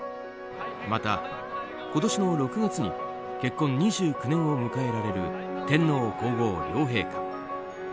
また、今年の６月に結婚２９年を迎えられる天皇・皇后両陛下。